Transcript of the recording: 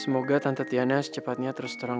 semoga tante tiana secepatnya terus terang